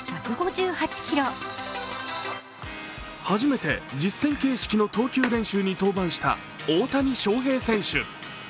初めて実戦形式の投球練習に登板した大谷翔平選手。